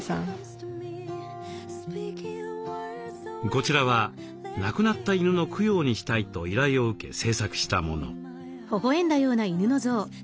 こちらは亡くなった犬の供養にしたいと依頼を受け制作したもの。